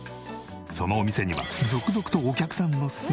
そのお店には続々とお客さんの姿が。